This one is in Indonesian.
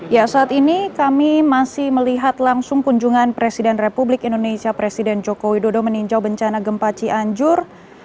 ya saat ini kami masih melihat langsung kunjungan presiden republik indonesia presiden joko widodo meninjau bencana gempa cianjur